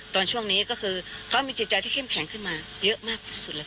ช่วงนี้ก็คือเขามีจิตใจที่เข้มแข็งขึ้นมาเยอะมากที่สุดเลยค่ะ